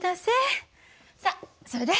さあそれで？